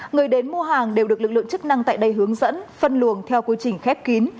người đến mua hàng đều được lực lượng chức năng tại đây hướng dẫn phân luồng theo quy trình khép kín